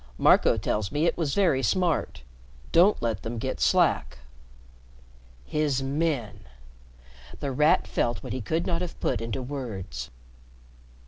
Marco tells me it was very smart. Don't let them get slack." "His men!" The Rat felt what he could not have put into words.